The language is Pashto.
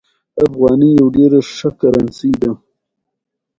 خو د پښتونولۍ بنيادي عنصر "ننواتې" پکښې